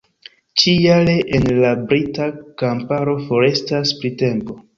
Ĉi-jare en la brita kamparo forestas printempo.